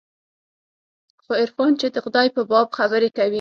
خو عرفان چې د خداى په باب خبرې کوي.